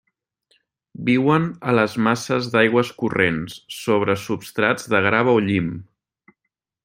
Viuen a les masses d'aigües corrents sobre substrats de grava o llim.